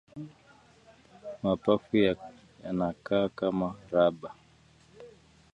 Mapafu yanakaa kama raba